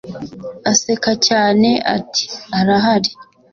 aseka cyane ati “Arahari